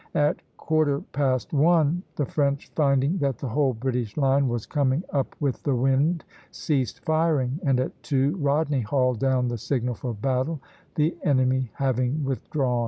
At quarter past one the French, finding that the whole British line was coming up with the wind, ceased firing, and at two Rodney hauled down the signal for battle, the enemy having withdrawn.